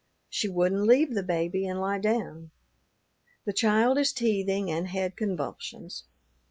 She wouldn't leave the baby and lie down. The child is teething and had convulsions.